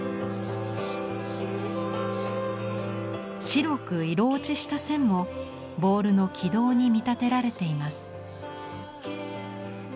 白く色落ちした線もボールの軌道に見立てられています。